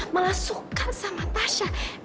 malah suka sama tasya